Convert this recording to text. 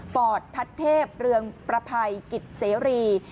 ฟอร์ตทัศเทพเรืองประภัยกิจเสรี